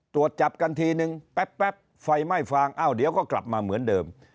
ตรวจจับกันทีนึงแป๊บไฟไหม้ฟางอ้าวเดี๋ยวก็กลับมาเหมือนเดิม